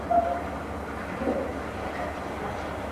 Pia mzee sikuwa najua kama ulikuwa mwanajeshi